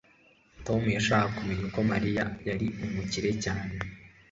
tom yashakaga kumenya uko mariya yari umukire cyane